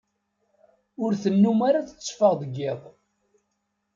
Ur tennum ara tetteffeɣ deg iḍ.